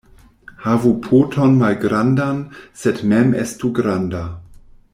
Havu poton malgrandan, sed mem estu granda.